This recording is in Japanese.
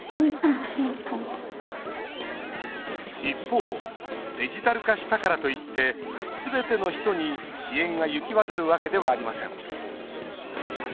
一方デジタル化したからといってすべての人に支援が行き渡るわけではありません。